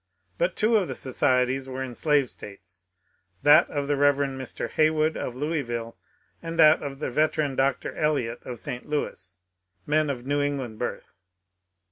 But two of the societies were in slave States, that of the Rev. Mr. Heywood of Louis ville, and that of the veteran Dr. Eliot of St. Louis, men of New England birth.